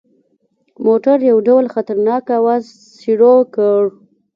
موټر یو ډول خطرناک اواز شروع کړ.